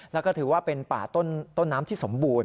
แล้วก็ถือว่าเป็นป่าต้นน้ำที่สมบูรณ